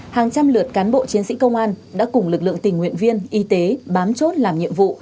hàng trăm lượt cán bộ chiến sĩ công an đã cùng lực lượng tình nguyện viên y tế bám chốt làm nhiệm vụ